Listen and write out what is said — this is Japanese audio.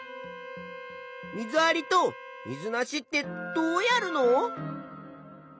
水ありと水なしってどうやるの？